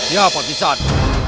ya pak bisan